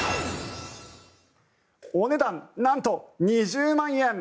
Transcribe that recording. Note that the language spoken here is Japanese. お値段、なんと２０万円！